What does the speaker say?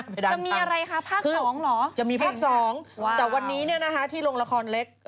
เพดานพังคือจะมีภาคสองแต่วันนี้เนี่ยนะฮะที่โรงละครเล็ก